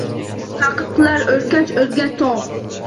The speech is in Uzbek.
Taʼqib qilar oʼrkach-oʼrkach togʼ.